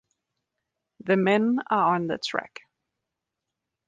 The men are on the track.